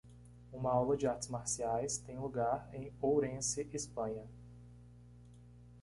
uma aula de artes marciais tem lugar em Ourense? Espanha.